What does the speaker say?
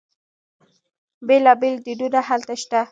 بیلا بیل دینونه هلته شته.